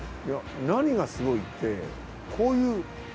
いや何がすごいってこういう。